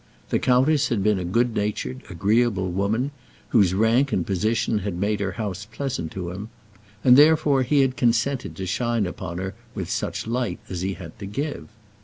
The countess had been a good natured, agreeable woman, whose rank and position had made her house pleasant to him; and therefore he had consented to shine upon her with such light as he had to give.